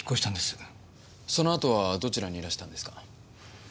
そのあとはどちらにいらしたんですか？